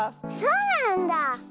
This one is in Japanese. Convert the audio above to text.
そうなんだ。